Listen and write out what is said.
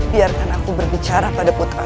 biarkan aku berbicara pada putramu